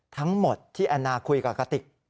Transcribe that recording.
ทั้งหมดที่แอนนาคุยกับกะติก